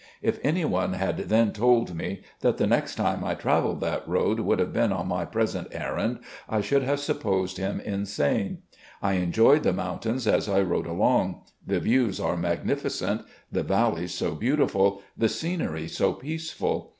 If any one had then told me that the next time I travelled t^t road would have been on my present errand, I should have supposed him insane. I enjoyed the mountains, as I rode along. The views are magnifi cent — the valleys so beautiful, the scenery so peaceful.